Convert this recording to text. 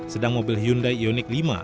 sedang mobil hyundai unit lima